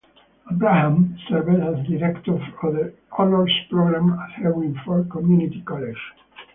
Abraham served as director of the Honors Program at Henry Ford Community College.